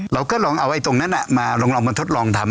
เราก็ลองเอาตรงนั้นมาลองมาทดลองทำ